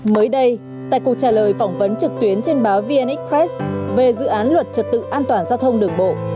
mới đây tại cuộc trả lời phỏng vấn trực tuyến trên báo vn express về dự án luật trật tự an toàn giao thông đường bộ